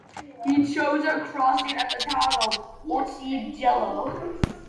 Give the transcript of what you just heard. He chose a crossing at the town of Occhiobello.